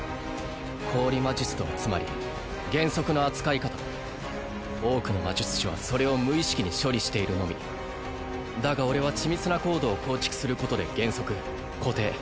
氷魔術とはつまり減速の扱い方多くの魔術師はそれを無意識に処理しているのみだが俺は緻密なコードを構築することで減速固定